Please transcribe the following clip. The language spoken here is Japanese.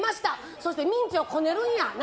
そしてミンチをこねるんや。